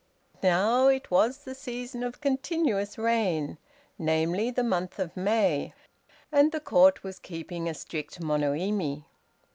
Now, it was the season of continuous rain (namely, the month of May), and the Court was keeping a strict Monoimi.